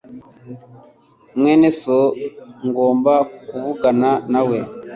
mwene so, ngomba kuvugana nawe